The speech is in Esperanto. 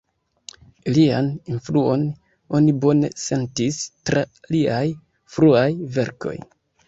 Ilian influon oni bone sentis tra liaj fruaj verkoj.